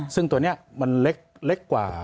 ซึ่งตัวนี้มันเล็กกว่า